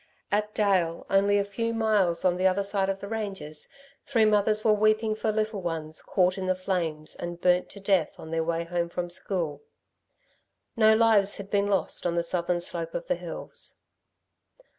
At Dale, only a few miles on the other side of the ranges, three mothers were weeping for little ones caught in the flames and burnt to death on their way home from school. No lives had been lost on the southern slope of the hills.